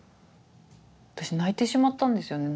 私泣いてしまったんですよね